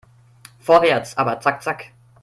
Vorwärts, aber zack zack!